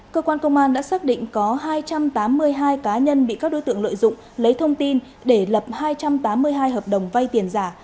cơ quan công an đã xác định có hai trăm tám mươi hai cá nhân bị các đối tượng lợi dụng lấy thông tin để lập hai trăm tám mươi hai hợp đồng vay tiền giả